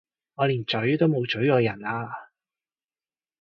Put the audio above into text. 我連咀都冇咀過人啊！